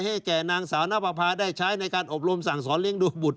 ให้แก่นางสาวนปภาได้ใช้ในการอบรมสั่งสอนเลี้ยงดูบุตร